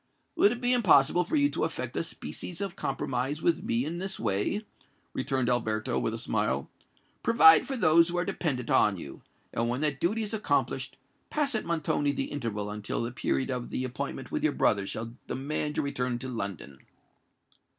"Would it be impossible for you to effect a species of compromise with me in this way?" returned Alberto, with a smile. "Provide for those who are dependant on you; and when that duty is accomplished, pass at Montoni the interval until the period of the appointment with your brother shall demand your return to London."